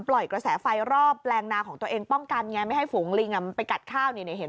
ปล่อยกระแสไฟรอบแรงนาของตัวเองป้องกันไงไม่ให้ฝูงลิงอ่ะมันไปกัดข้าวนี่นี่เห็น